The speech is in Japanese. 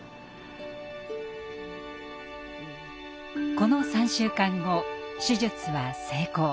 この３週間後手術は成功。